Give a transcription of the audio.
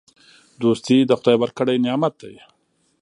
دوستي د خدای ورکړی نعمت دی.